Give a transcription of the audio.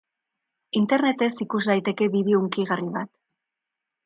Internetez ikus daiteke bideo hunkigarri bat.